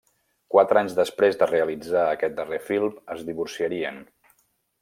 Quatre anys després de realitzar aquest darrer film es divorciarien.